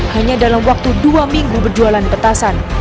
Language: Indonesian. hanya dalam waktu dua minggu berjualan petasan